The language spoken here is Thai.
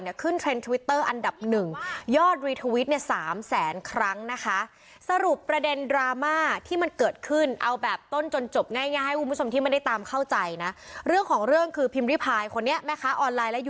นะขึ้นเทรนต์ทวิตเตอร์อันดับหนึ่งยอดทำ